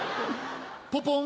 ポポン！